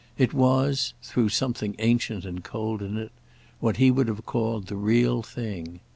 It was—through something ancient and cold in it—what he would have called the real thing.